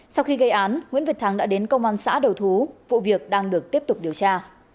sau khi gây án nguyễn việt thắng đã đến công an xã đầu thú vụ việc đang được tiếp tục điều tra